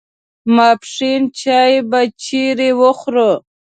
ماپښین چای به چیرې خورو.